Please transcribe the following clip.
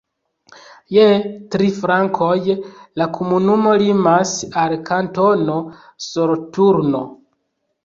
Je tri flankoj la komunumo limas al Kantono Soloturno.